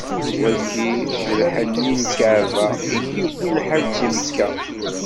Wagi d lḥenni n Lkeɛba, i d-yewwi lḥaǧ si Mekka.